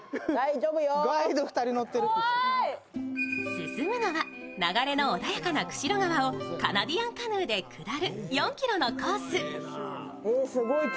進むのは流れの穏やかな釧路川をカナディアンカヌーで下る４ｋｍのコース。